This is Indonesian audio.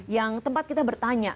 yang tempat kita bertanya